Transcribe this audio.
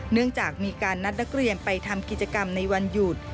เนื่องจากมีการนัดนักเรียนไปทำกิจกรรมในวันหยุด